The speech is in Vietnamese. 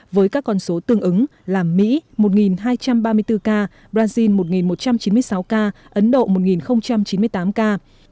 với các con số tương ứng là mỹ một hai trăm ba mươi bốn ca brazil một một trăm chín mươi sáu ca ấn độ một chín mươi tám ca